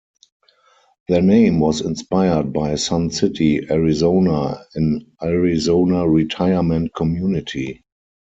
Their name was inspired by Sun City, Arizona, an Arizona retirement community.